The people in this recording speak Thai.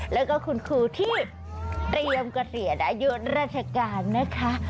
แล้วก็คุณครูที่เตรียมเกษียณอายุราชการนะคะ